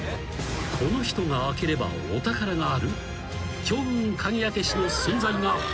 ［この人が開ければお宝がある！？］